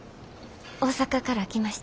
大阪から来ました。